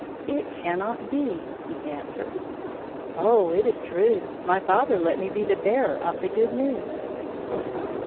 "It cannot be," he answered. "Oh, it is true. My father let me be the bearer of the good news."